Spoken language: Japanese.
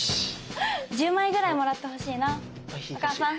１０枚ぐらいもらってほしいなお母さん！